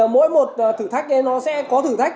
mỗi một thử thách nó sẽ có thử thách